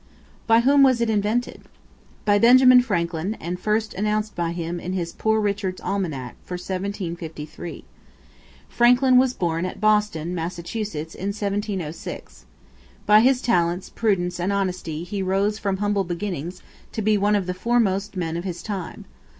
By whom was it invented? By Benjamin Franklin, and first announced by him in his "Poor Richard's Almanac" for 1753. Franklin was born at Boston, Mass., in 1706. By his talents, prudence, and honesty he rose from humble beginnings to be one of the foremost men of his time.